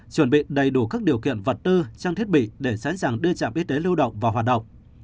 chuẩn bị đầy đủ các điều kiện vật tư trang thiết bị để sẵn sàng đưa trạm y tế lưu động vào hoạt động